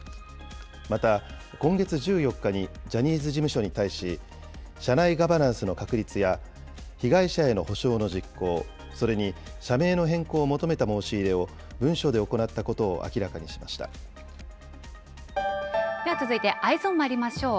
また、今月１４日にジャニーズ事務所に対し、社内ガバナンスの確立や被害者への補償の実行、それに社名の変更を求めた申し入れを文書で行ったことを明らかにでは続いてＥｙｅｓｏｎまいりましょう。